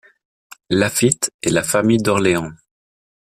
Laffitte et la famille d'Orléans.